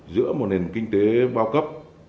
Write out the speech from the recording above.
giữa một nền kinh tế bao cấp